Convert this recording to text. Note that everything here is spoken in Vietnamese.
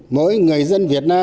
mỗi người dân việt nam